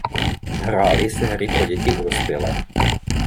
Hrály se hry pro děti i dospělé.